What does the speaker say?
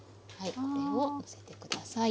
これをのせて下さい。